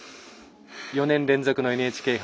４年連続のＮＨＫ杯。